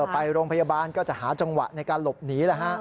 ไปโรงพยาบาลก็จะหาจังหวะในการหลบหนี